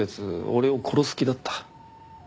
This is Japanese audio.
俺を殺す気だった。